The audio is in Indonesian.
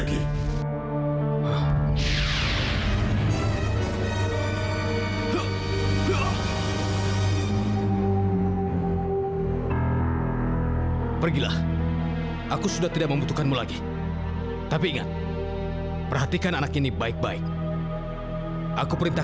semoga aku dapat memenuhi orang yang bisa melindunginya